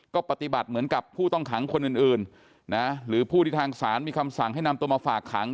ก็ปฏิบัติเหมือนกับผู้ต้องขังคนอื่นนะหรือผู้ที่ทางศาลมีคำสั่งให้นำตัวมาฝากขัง